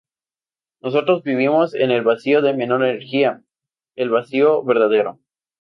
Nosotros vivimos en el vacío de menor energía, el vacío verdadero.